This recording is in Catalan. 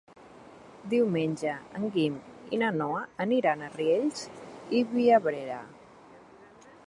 Diumenge en Guim i na Noa aniran a Riells i Viabrea.